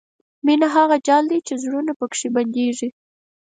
مینه هغه جال دی چې زړونه پکې بندېږي.